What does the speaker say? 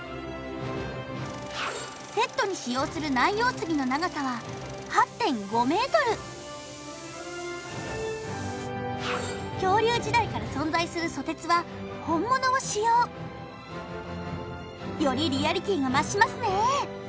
セットに使用するナンヨウスギの長さは８．５ｍ恐竜時代から存在するソテツは本物を使用よりリアリティーが増しますね